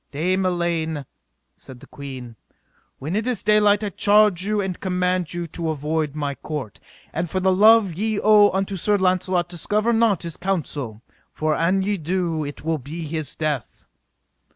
Dame Elaine, said the queen, when it is daylight I charge you and command you to avoid my court; and for the love ye owe unto Sir Launcelot discover not his counsel, for an ye do, it will be his death.